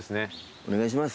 お願いします。